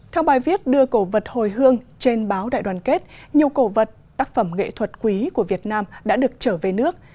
theo bài viết đưa cổ vật hồi hương trên báo đại đoàn kết nhiều cổ vật tác phẩm nghệ thuật quý của việt nam đã được trở về nước